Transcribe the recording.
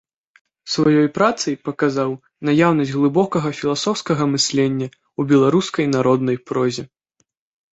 Сваёй працай паказаў наяўнасць глыбокага філасофскага мыслення ў беларускай народнай прозе.